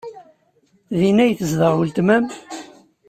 Din ay tezdeɣ weltma-m?